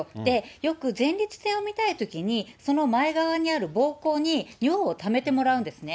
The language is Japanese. よく前立腺を見たいときにその前側にあるぼうこうに尿をためてもらうんですね。